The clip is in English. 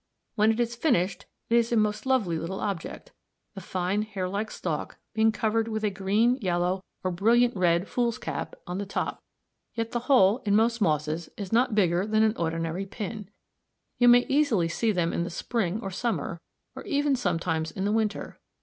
When it is finished it is a most lovely little object (us, Fig. 34), the fine hairlike stalk being covered with a green, yellow, or brilliant red fool's cap on the top, yet the whole in most mosses is not bigger than an ordinary pin. You may easily see them in the spring or summer, or even sometimes in the winter.